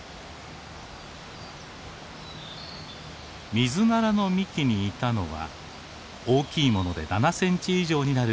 ミズナラの幹にいたのは大きいもので７センチ以上になる